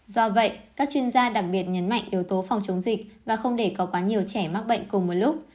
do vậy các chuyên gia đặc biệt nhấn mạnh yếu tố phòng chống dịch và không để có quá nhiều trẻ mắc bệnh cùng một lúc